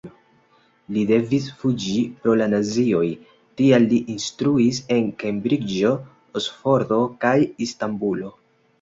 Li devis fuĝi pro la nazioj, tial li instruis en Kembriĝo, Oksfordo kaj Istanbulo.